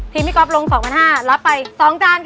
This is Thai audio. ทีมพี่กอฟลง๒๕๐๐บาทรับไป๒จานค่ะ